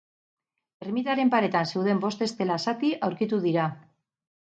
Ermitaren paretan zeuden bost estela zati aurkitu dira.